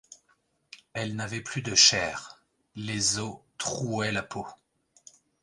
Elle n'avait plus de chair, les os trouaient la peau.